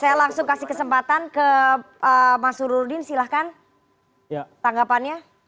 saya langsung kasih kesempatan ke mas uruddin silahkan tanggapannya